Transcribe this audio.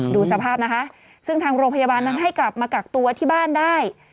ดูสภาพนะคะซึ่งทางโรงพยาบาลนั้นให้กลับมากักตัวที่บ้านได้